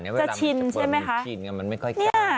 จะชินใช่ไหมคะ